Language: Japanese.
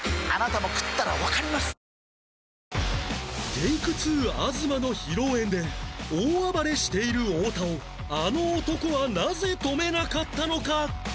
Ｔａｋｅ２ 東の披露宴で大暴れしている太田をあの男はなぜ止めなかったのか？